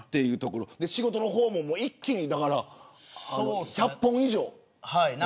仕事も一気に１００本以上。